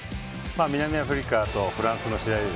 南アフリカとフランスの試合。